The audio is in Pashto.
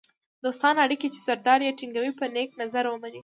دوستانه اړیکې چې سردار یې ټینګوي په نېک نظر ومني.